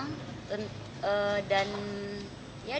semoga saya bisa jadi orang yang bermanfaat